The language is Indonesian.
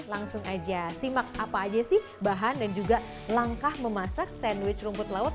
langsung aja simak apa aja sih bahan dan juga langkah memasak sandwich rumput laut